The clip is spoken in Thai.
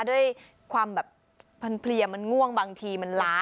ด้วยความแบบพันเพลียมันง่วงบางทีมันล้า